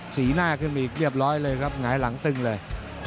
สีหน้าขึ้นมาอีกเรียบร้อยเลยครับหงายหลังตึงเลย